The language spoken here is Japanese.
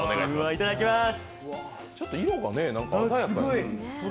いただきます。